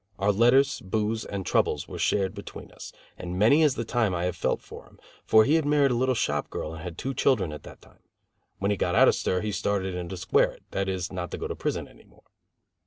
Our letters, booze and troubles were shared between us, and many is the time I have felt for him; for he had married a little shop girl and had two children at that time. When he got out of stir he started in to square it, that is, not to go to prison any more.